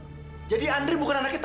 si apon jadi andri bukan anak kita